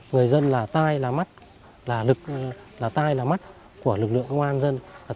người dân là tai là mắt là lực là tai là mắt của lực lượng công an dân